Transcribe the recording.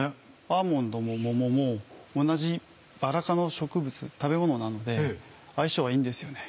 アーモンドも桃も同じバラ科の植物食べ物なので相性がいいんですよね。